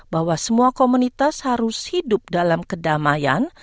bahwa semua komunitas harus hidup dalam kedamaian